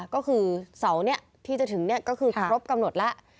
ก็คือเสาร์นี้ที่จะถึงก็คือครบกำหนดแล้ว